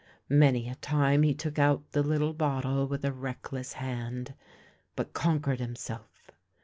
Many a time he took out the little bottle with a reckless hand, but conquered himself.